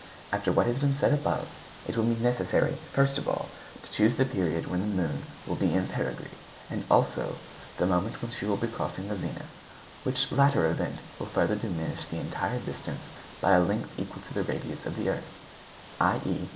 _—After what has been said above, it will be necessary, first of all, to choose the period when the moon will be in perigee, and also the moment when she will be crossing the zenith, which latter event will further diminish the entire distance by a length equal to the radius of the earth, _i.